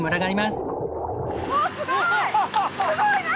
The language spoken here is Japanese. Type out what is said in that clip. すごい！何？